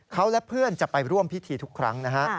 เขาและเพื่อนจะไปร่วมพิธีทุกครั้งนะฮะ